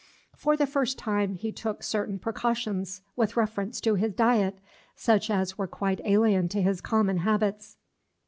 For the first time, he took certain precautions with reference to his diet, such as were quite alien to his common habits.